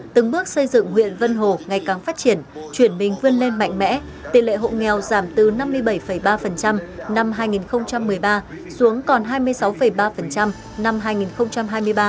từng bước xây dựng huyện vân hồ ngày càng phát triển chuyển mình vươn lên mạnh mẽ tỷ lệ hộ nghèo giảm từ năm mươi bảy ba năm hai nghìn một mươi ba xuống còn hai mươi sáu ba năm hai nghìn hai mươi ba